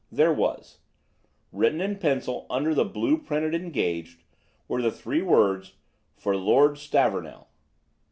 There was. Written in pencil under the blue printed "Engaged" were the three words, "For Lord Stavornell."